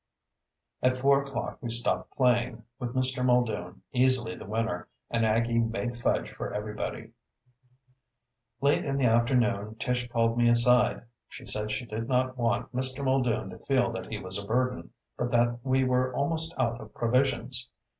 At four o'clock we stopped playing, with Mr. Muldoon easily the winner, and Aggie made fudge for everybody. Late in the afternoon Tish called me aside. She said she did not want Mr. Muldoon to feel that he was a burden, but that we were almost out of provisions.